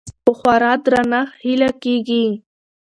په خورا درنښت هيله کيږي